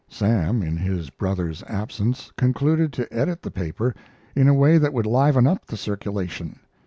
Sam, in his brother's absence, concluded to edit the paper in a way that would liven up the circulation.